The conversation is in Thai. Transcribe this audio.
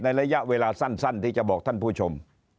ระยะเวลาสั้นที่จะบอกท่านผู้ชม